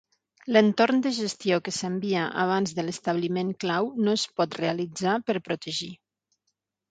L'entorn de gestió que s'envia abans de l'establiment clau no es pot realitzar per protegir.